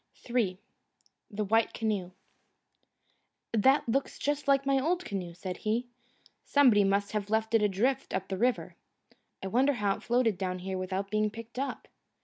III The White Canoe "That looks just like my old canoe," said he. "Somebody must have left it adrift up the river. I wonder how it floated down here without being picked up."